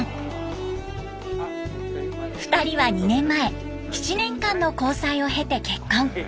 ２人は２年前７年間の交際を経て結婚。